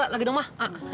lagi dong mah